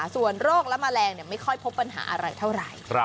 ส่วนโรคและแมลงไม่ค่อยพบปัญหาอะไรเท่าไหร่